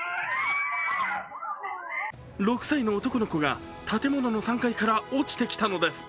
６歳の男の子が建物の３階から落ちてきたのです。